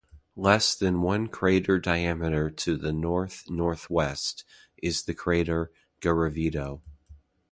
Less than one crater diameter to the north-northwest is the crater Garavito.